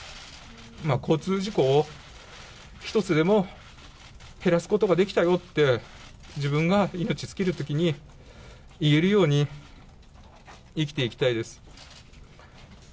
交通事故を一つでも減らすことができたよって、自分が命尽きるときに言えるように生きていきたいです。